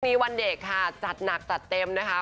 มีวันเด็กค่ะจัดหนักจัดเต็มนะคะ